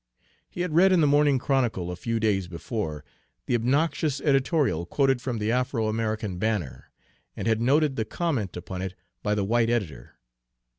He had read in the Morning Chronicle, a few days before, the obnoxious editorial quoted from the Afro American Banner, and had noted the comment upon it by the white editor.